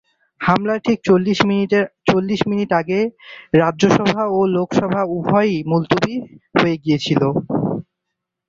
হামলার ঠিক চল্লিশ মিনিট আগে রাজ্যসভা ও লোকসভা উভয়ই মুলতুবি হয়ে গিয়েছিল।